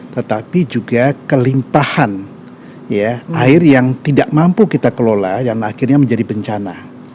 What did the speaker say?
tetapi juga kelimpahan air yang tidak mampu kita kelola dan akhirnya menjadi bencana